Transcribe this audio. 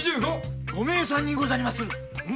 ご明算にござりまする！